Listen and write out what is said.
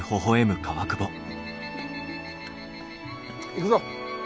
行くぞ。